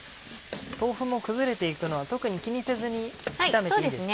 豆腐も崩れていくのは特に気にせずに炒めていいですね。